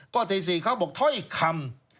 ที่๔เขาบอกถ้อยคำ